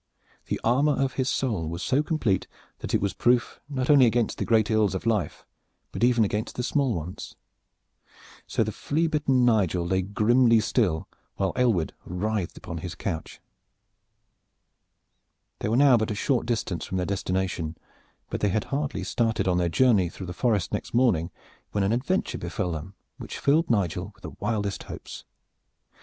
The armor of his soul was so complete that it was proof not only against the great ills of life but even against the small ones; so the flea bitten Nigel lay grimly still while Aylward writhed upon his couch. They were now but a short distance from their destination; but they had hardly started on their journey through the forest next morning, when an adventure befell them which filled Nigel with the wildest hopes.